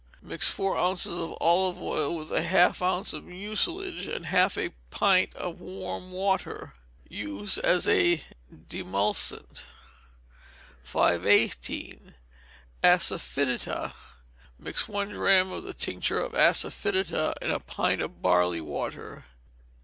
Mix four ounces of olive oil with half an ounce of mucilage and half a pint of warm water. Use as a demulcent. 518. Asafoetida. Mix one drachm of the tincture of asafoetida in a pint of barley water.